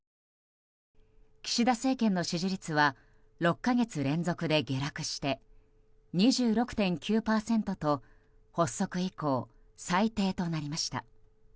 岸田政権の支持率は６か月連続で下落して２６．９％と発足以降最低となりました。